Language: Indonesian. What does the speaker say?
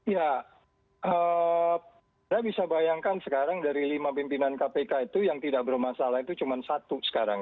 ya saya bisa bayangkan sekarang dari lima pimpinan kpk itu yang tidak bermasalah itu cuma satu sekarang